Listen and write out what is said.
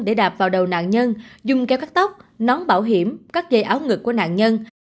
để đạp vào đầu nạn nhân dùng kéo cắt tóc nón bảo hiểm cắt dây áo ngực của nạn nhân